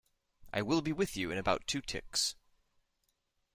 I will be with you in about two ticks.